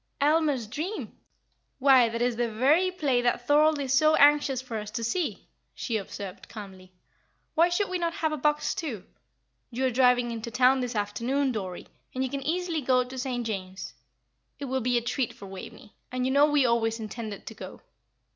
"Aylmer's Dream! Why, that is the very play that Thorold is so anxious for us to see," she observed, calmly. "Why should we not have a box, too? You are driving into town this afternoon, Dorrie, and you can easily go to St. James's. It will be a treat for Waveney and you know we always intended to go."